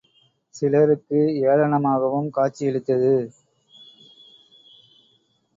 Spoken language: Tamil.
சிலருக்கு ஏளனமாகவும் காட்சியளித்தது.